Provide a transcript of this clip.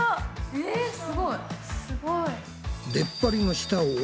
えすごい。